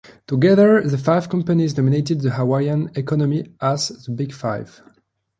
Together, the five companies dominated the Hawaiian economy as the Big Five.